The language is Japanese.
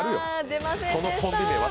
出ませんでした。